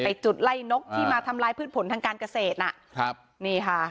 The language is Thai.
จุดไล่นกที่มาทำลายพืชผลทางการเกษตรน่ะครับนี่ค่ะ